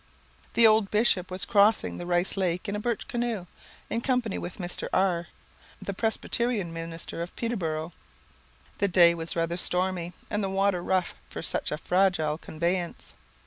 The old bishop was crossing the Rice Lake in a birch bark canoe, in company with Mr. R , the Presbyterian minister of Peterboro'; the day was rather stormy, and the water rough for such a fragile conveyance.